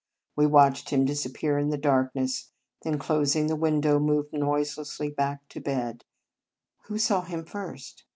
We watched him disap pear in the darkness; then, closing the window, moved noiselessly back to bed. "Who saw him first?"